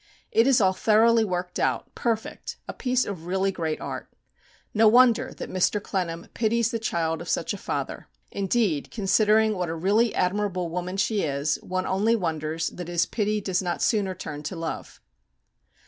It is all thoroughly worked out, perfect, a piece of really great art. No wonder that Mr. Clennam pities the child of such a father; indeed, considering what a really admirable woman she is, one only wonders that his pity does not sooner turn to love.